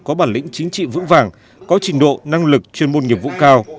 có bản lĩnh chính trị vững vàng có trình độ năng lực chuyên môn nghiệp vụ cao